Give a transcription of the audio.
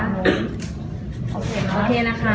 อันนี้ก็มองดูดันกันดูนะคะ